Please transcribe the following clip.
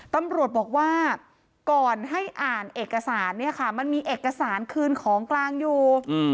ตำรวจบอกว่าก่อนให้อ่านเอกสารเนี่ยค่ะมันมีเอกสารคืนของกลางอยู่